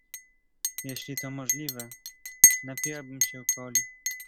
Jeśli to możliwe, napiłabym się Coli.